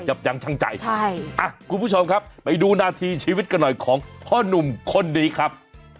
ยังช่างใจใช่อ่ะคุณผู้ชมครับไปดูนาทีชีวิตกันหน่อยของพ่อนุ่มคนนี้ครับ